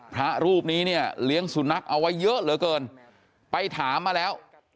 พระรูปนี้เนี่ยเลี้ยงสุนัขเอาไว้เยอะเหลือเกินไปถามมาแล้ว